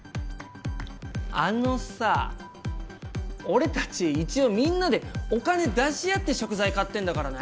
あのさ俺たち一応みんなでお金出し合って食材買ってんだからね？